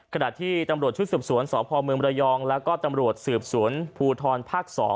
ขณะที่ตำรวจชุดสืบสวนสพเมืองระยองแล้วก็ตำรวจสืบสวนภูทรภาค๒